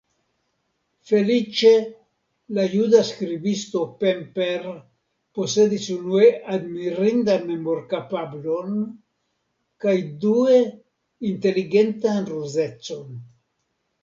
Feliĉe la juda skribisto Pemper posedis unue admirindan memorkapablon kaj due inteligentan ruzecon.